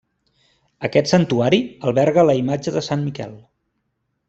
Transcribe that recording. Aquest santuari alberga la imatge de Sant Miquel.